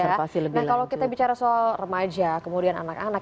nah kalau kita bicara soal remaja kemudian anak anak